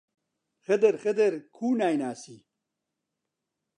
خدر، خدر، کوو نایناسی؟!